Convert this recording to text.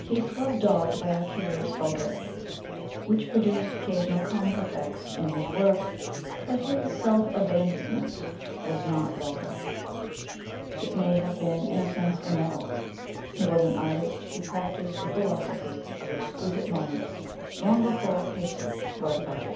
Keats was dogged by a curious vulgarity (which produced occasional comic effects in his work), but his self abandonment was not vulgar. It may have been in a sense immoral: he was an artist who practised the philosophy of exquisite moments long before Pater wrote about it.